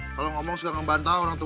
kalau ngomong suka ngebantau orang tua